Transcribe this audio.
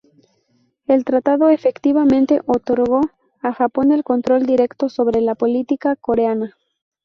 El tratado efectivamente otorgó a Japón el control directo sobre la política coreana.